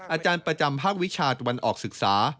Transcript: อาจารย์ประจำภาควิชาตะวันออกศึกษา